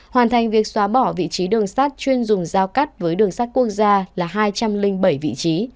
hoàn thành việc xóa bỏ vị trí đường sát chuyên dùng giao cắt với đường sắt quốc gia là hai trăm linh bảy vị trí